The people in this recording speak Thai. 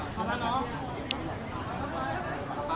ครับ